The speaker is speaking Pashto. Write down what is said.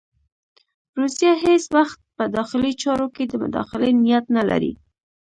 روسیه هېڅ وخت په داخلي چارو کې د مداخلې نیت نه لري.